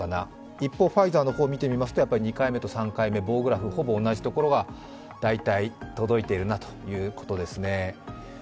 一方、ファイザーの方を見てみますと２回目と３回目、棒グラフ、ほぼ同じところに届いているなということです。